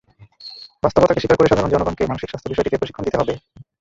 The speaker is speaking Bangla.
বাস্তবতাকে স্বীকার করে সাধারণ জনগণকে মানসিক স্বাস্থ্য বিষয়টিতে প্রশিক্ষণ দিতে হবে।